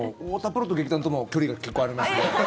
プロと劇団とも距離が結構ありますんで。